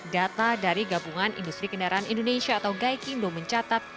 data dari gabungan industri kendaraan indonesia atau gaikindo mencatat